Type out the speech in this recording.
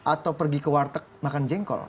atau pergi ke warteg makan jengkol